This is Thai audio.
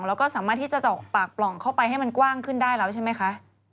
แล้วก็สามารถที่จะเจาะปากปล่องเข้าไปให้มันกว้างขึ้นได้แล้วใช่ไหมคะ